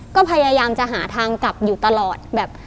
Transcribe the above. ก็พยายามจะหาทางกลับอยู่ตลอดแบบ